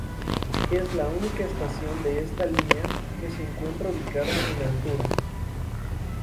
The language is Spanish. Es la única estación de esta línea que se encuentra ubicada en altura.